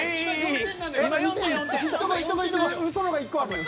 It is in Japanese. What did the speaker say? うそのが１個あるのよ。